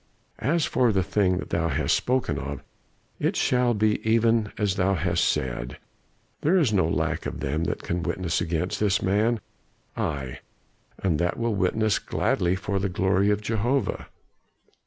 As for the thing that thou hast spoken of, it shall be even as thou hast said. There is no lack of them that can witness against this man. Ay! and that will witness right gladly for the glory of Jehovah.